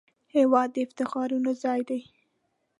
هېواد د افتخاراتو ځای دی